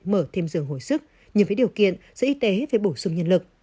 bệnh viện đã thêm giường hồi sức nhưng với điều kiện sở y tế phải bổ sung nhân lực